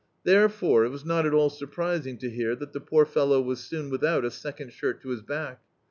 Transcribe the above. Therefore, it was not at all surprising to hear that the poor fellow was soon without a second shirt to his back.